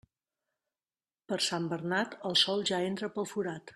Per Sant Bernat, el sol ja entra pel forat.